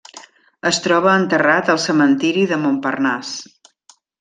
Es troba enterrat al Cementiri de Montparnasse.